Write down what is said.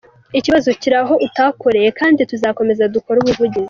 Ikibazo kiri aho utakoreye kandi tuzakomeza dukore ubuvugizi.